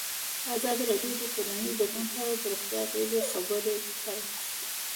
ازادي راډیو د ټولنیز بدلون په اړه د روغتیایي اغېزو خبره کړې.